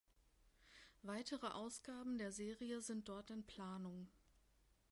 Weitere Ausgaben der Serie sind dort in Planung.